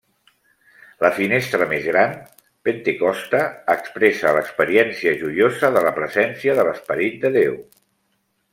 La finestra més gran, Pentecosta, expressa l'experiència joiosa de la presència de l'Esperit de Déu.